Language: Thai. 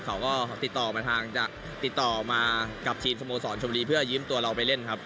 เขาก็ติดต่อมาทางจะติดต่อมากับทีมสโมสรชมรีเพื่อยืมตัวเราไปเล่นครับ